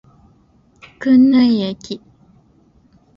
国縫駅